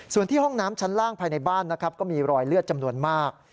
ส่วนที่ห้องน้ำชั้นล่างภายในบ้านนะครับก็มีรอยเลือดจำนวนมาก